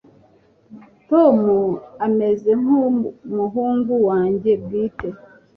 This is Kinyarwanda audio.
tom ameze nkumuhungu wanjye bwite